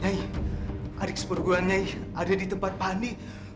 nyai adik sepurguan nyai ada di tempat pak andi